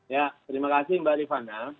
ya terima kasih mbak rifana